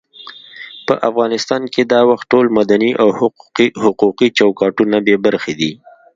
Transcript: په افغانستان کې دا وخت ټول مدني او حقوقي چوکاټونه بې برخې دي.